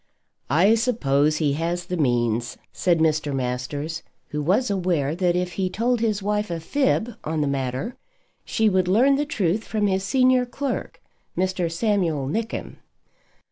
"I suppose he has the means," said Mr. Masters, who was aware that if he told his wife a fib on the matter, she would learn the truth from his senior clerk, Mr. Samuel Nickem.